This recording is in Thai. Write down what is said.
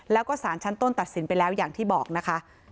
แล้วก็สารชั้นต้นตัดสินไปแล้วอย่างที่บอกนะคะ